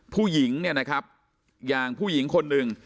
ผู้หญิงเนี่ยนะครับอย่างผู้หญิงคนหนึ่ง